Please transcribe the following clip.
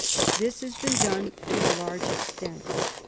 This has been done to a large extent.